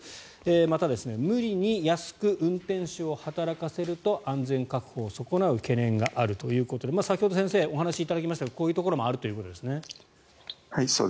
また、無理に安く運転手を働かせると安全確保を損なう懸念があるということで先ほど先生お話しいただきましたがこういうところもあるということですね。